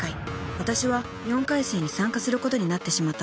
わたしは４回戦に参加することになってしまったのです］